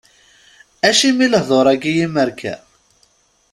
Acimi lehdur-agi imerka?